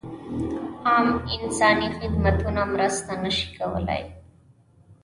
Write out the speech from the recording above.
عام انساني خدمتونه مرسته نه شي کولای.